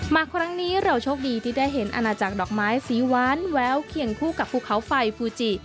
มาครั้งนี้เราโชคดีที่ได้เห็นอาณาจักรดอกไม้สีหวานแววเคียงคู่กับภูเขาไฟฟูจิ